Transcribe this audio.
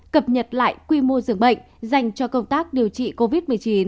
cập nhật lại quy mô dường bệnh dành cho công tác điều trị covid một mươi chín